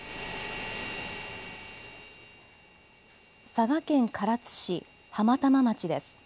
佐賀県唐津市浜玉町です。